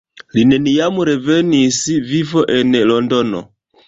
Li neniam revenis vivo en Londono.